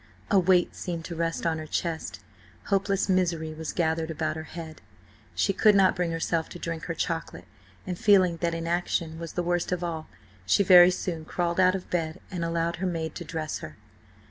A weight seemed to rest on her chest, hopeless misery was gathered about her head. She could not bring herself to drink her chocolate, and, feeling that inaction was the worst of all, she very soon crawled out of bed and allowed her maid to dress her.